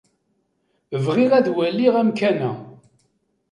Bɣiɣ ad waliɣ amkan-a.